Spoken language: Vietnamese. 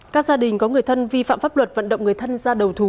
các gia đình có người thân vi phạm pháp luật vận động người thân ra đầu thú